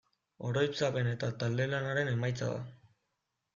Oroitzapen eta talde-lanaren emaitza da.